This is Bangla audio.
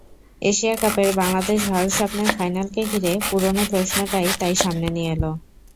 এশিয়া কাপের বাংলাদেশ-ভারত স্বপ্নের ফাইনালকে ঘিরে পুরোনো প্রশ্নটাই তাই সামনে নিয়ে এল।